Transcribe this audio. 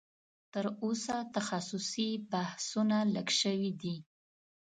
تر اوسه تخصصي بحثونه لږ شوي دي